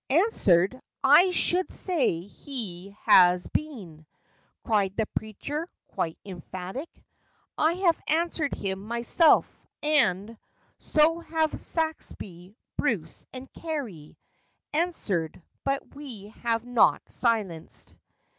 "Answered! I should say he has been," Cried the preacher—quite emphatic. " I have answered him myself—and So have Saxby, Bruce, and Carey, Answered—but we have not silenced."